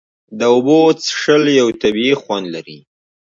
د اوبو څښل یو طبیعي خوند لري.